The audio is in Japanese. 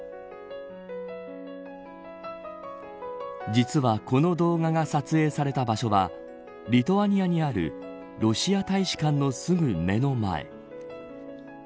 実はこの動画が撮影された場所はリトアニアにあるロシア大使館のすぐ目の前。